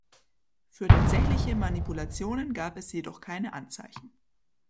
Für tatsächliche Manipulationen gab es jedoch keine Anzeichen.